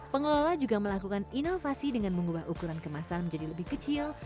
pengelola juga melakukan inovasi dengan mengubah ukuran kemasan menjadi lebih kecil